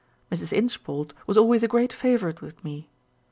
Mrs. Inchbald was always a great favourite with me.